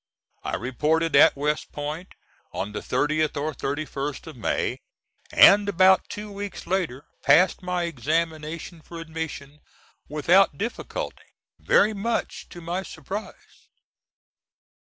I reported at West Point on the 30th or 31st of May, and about two weeks later passed my examination for admission, without difficulty, very much to my surprise.